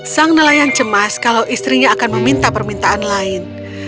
sang nelayan cemas kalau istrinya akan meminta permintaan lain